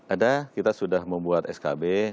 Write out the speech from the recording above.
ada kita sudah membuat skb